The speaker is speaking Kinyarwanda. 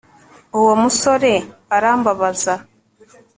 uwo musore arambabaza